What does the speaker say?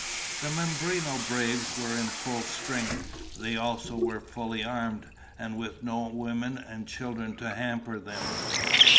The Mimbreno braves were in full strength. They also were fully armed, and with no women and children to hamper them.